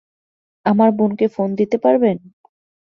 আমার বোনকে ফোন দিতে পারবেন?